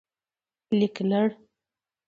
لیکلړ